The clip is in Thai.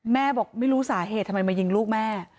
บอกไม่รู้สาเหตุทำไมมายิงลูกแม่